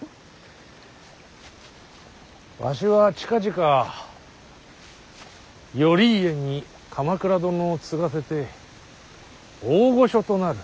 わしは近々頼家に鎌倉殿を継がせて大御所となる。